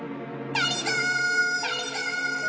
がりぞー！